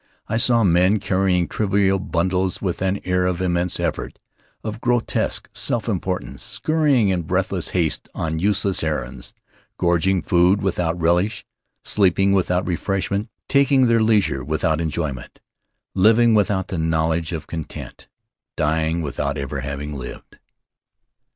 I saw men carrying trivial burdens with an air of immense effort, of grotesque self importance; scurrying in breathless haste on useless errands; gorging food without relish; sleeping without refreshment; taking their leisure without enjoyment; living without the knowledge of content; dying without ever having lived.